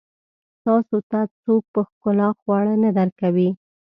تاسو ته څوک په ښکلا خواړه نه درکوي.